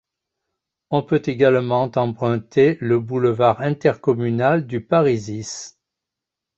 On peut également emprunter le Boulevard Intercommunal du Parisis.